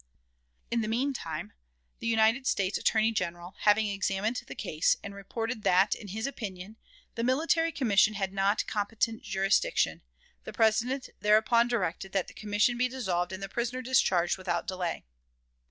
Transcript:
In the mean time, the United States Attorney General having examined the case, and reported that, in his opinion, the military commission had not competent jurisdiction, the President thereupon directed that the commission be dissolved and the prisoner discharged without delay.